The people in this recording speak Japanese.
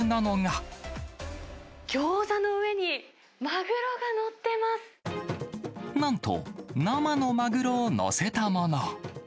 ギョーザの上にマグロが載っなんと、生のマグロを載せたもの。